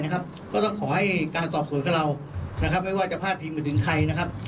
ก็ต้องขอให้การสอบส่วนให้เราไม่ว่าจะพลาดพิมพ์ไปถึงใครนะครับ